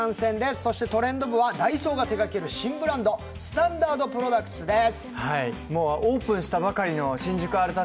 そして「トレンド部」はダイソーが手がける新ブランド、ＳｔａｎｄａｒｄＰｒｏｄｕｃｔｓです。